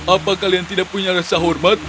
apa kalian tidak punya rasa hormat